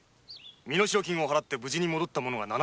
身代金を払って無事に戻った者が７名。